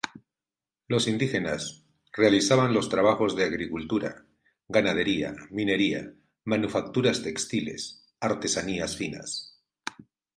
Los indígenas realizaban los trabajos de agricultura, ganadería, minería, manufacturas textiles, artesanías finas.